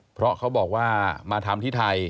เพราะเขาบอกว่ามาทำที่ไทย